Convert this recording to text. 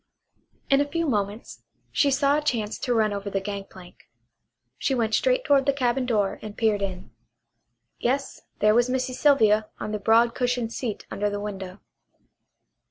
In a few moments she saw a chance to run over the gangplank. She went straight toward the cabin door and peered in. Yes, there was Missy Sylvia on the broad cushioned seat under the window.